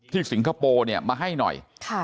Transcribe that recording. ที่สิงคโปร์มาให้หน่อย